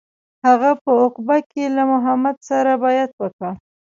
هغه په عقبه کې له محمد سره بیعت وکړ.